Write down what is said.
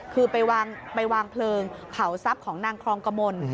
คือไปวางเพลิงเผาทรัพย์ของนางครองกมล